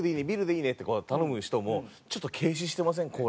ビールでいいね？」って頼む人もちょっと軽視してません？